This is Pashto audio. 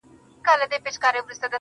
گراني شاعري دغه واوره ته~